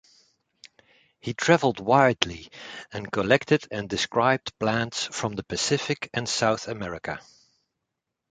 He travelled widely and collected and described plants from the Pacific and South America.